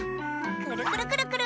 くるくるくるくる！